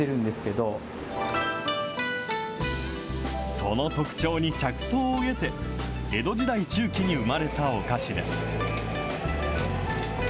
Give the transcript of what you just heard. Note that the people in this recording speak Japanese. その特徴に着想を得て、江戸時代中期に生まれたお菓子です。